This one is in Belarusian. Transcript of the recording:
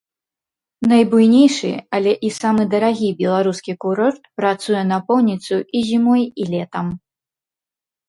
Найбуйнейшы, але і самы дарагі беларускі курорт працуе напоўніцу і зімой, і летам.